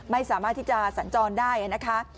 ไม่สามารถที่จะสัญจรได้นะคะ